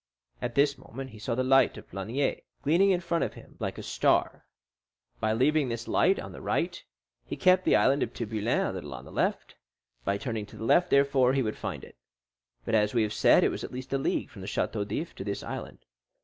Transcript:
At this moment he saw the light of Planier, gleaming in front of him like a star. By leaving this light on the right, he kept the Island of Tiboulen a little on the left; by turning to the left, therefore, he would find it. But, as we have said, it was at least a league from the Château d'If to this island.